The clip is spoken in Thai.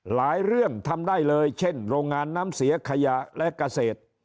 เรื่องทำได้เลยเช่นโรงงานน้ำเสียขยะและเกษตร